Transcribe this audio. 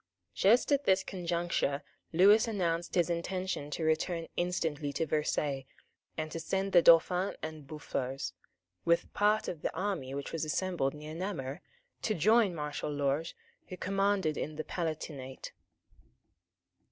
Just at this conjuncture Lewis announced his intention to return instantly to Versailles, and to send the Dauphin and Boufflers, with part of the army which was assembled near Namur, to join Marshal Lorges who commanded in the Palatinate.